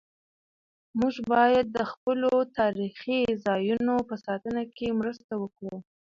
موږ باید د خپلو تاریخي ځایونو په ساتنه کې مرسته وکړو.